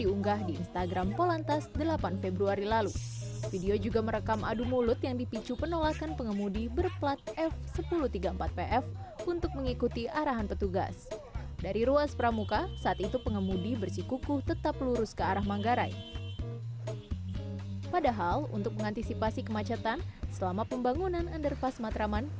untuk mengantisipasi kemacetan selama pembangunan ender pass matraman